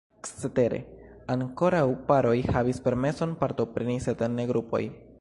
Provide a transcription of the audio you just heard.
Cetere ankoraŭ paroj havis permeson partopreni sed ne grupoj.